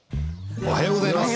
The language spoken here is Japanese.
おはようございます。